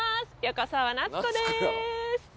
横澤夏子です。